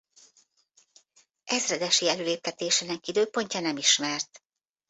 Ezredesi előléptetésének időpontja nem ismert.